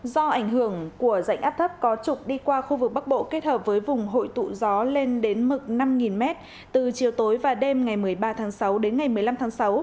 do ảnh hưởng của dạnh áp thấp có trục đi qua khu vực bắc bộ kết hợp với vùng hội tụ gió lên đến mực năm m từ chiều tối và đêm ngày một mươi ba tháng sáu đến ngày một mươi năm tháng sáu